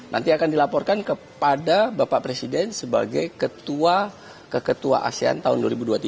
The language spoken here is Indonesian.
nanti akan dilaporkan kepada bapak presiden sebagai ketua asean tahun dua ribu dua puluh tiga